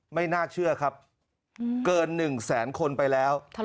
ไม่น่าเชื่อครับเกิน๑แสนคนไปแล้ว